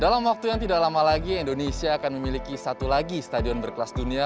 dalam waktu yang tidak lama lagi indonesia akan memiliki satu lagi stadion berkelas dunia